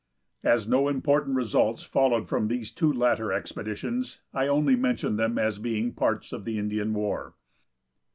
As no important results followed from these two latter expeditions, I only mention them as being parts of the Indian war.